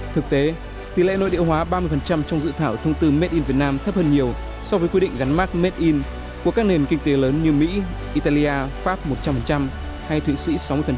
thực tế tỷ lệ nội địa hóa ba mươi trong dự thảo thông tư made in vietnam thấp hơn nhiều so với quy định gắn mát made in của các nền kinh tế lớn như mỹ italia pháp một trăm linh hay thụy sĩ sáu mươi